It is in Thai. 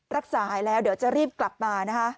รักษาหายแล้วเดี๋ยวจะรีบกลับมานะคะ